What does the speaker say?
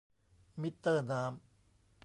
มิเตอร์น้ำ